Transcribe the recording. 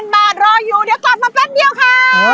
บาทรออยู่เดี๋ยวกลับมาแป๊บเดียวค่ะ